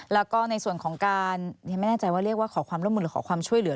แล้วก็ในส่วนของการไม่แน่ใจว่าเรียกว่าขอความร่วมมือ